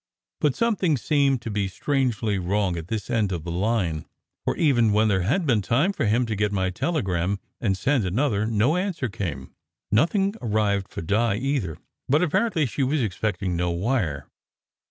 But some thing seemed to be strangely wrong at his end of the line, for even when there had been time for him to get my tele gram and send another, no answer came. Nothing arrived for Di, either; but apparently she was expecting no wire.